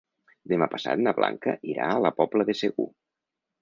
Demà passat na Blanca irà a la Pobla de Segur.